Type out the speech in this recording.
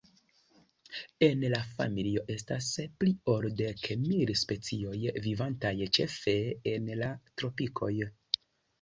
En la familio estas pli ol dek mil specioj, vivantaj ĉefe en la tropikoj.